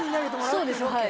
そうですはい。